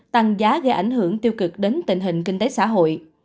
tăng giá gây ảnh hưởng tiêu cực đến tình hình kinh tế xã hội